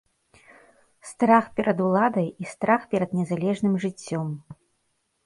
Страх перад уладай і страх перад незалежным жыццём.